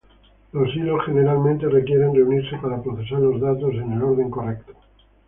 Los hilos generalmente requieren reunirse para procesar los datos en el orden correcto.